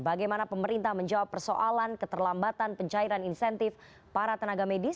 bagaimana pemerintah menjawab persoalan keterlambatan pencairan insentif para tenaga medis